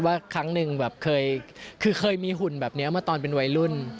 ครั้งหนึ่งแบบเคยมีหุ่นแบบนี้มาตอนเป็นวัยรุ่น